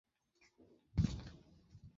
আসবো, তুই সবকিছু চূড়ান্ত কর।